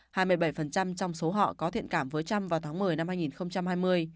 hai mươi bảy trong số họ có thiện cảm với trump vào tháng một mươi năm hai nghìn hai mươi